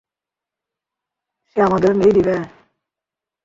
কে আমাদের ন্যায় দিবে?